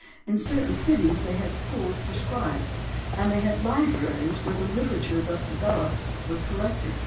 In certain cities they had schools for scribes, and they had libraries where the literature thus developed was collected.